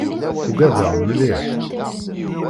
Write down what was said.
Ugadeɣ mliḥ.